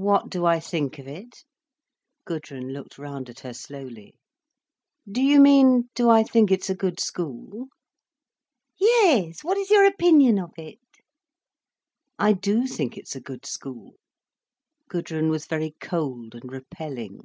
"What do I think of it?" Gudrun looked round at her slowly. "Do you mean, do I think it's a good school?" "Yes. What is your opinion of it?" "I do think it's a good school." Gudrun was very cold and repelling.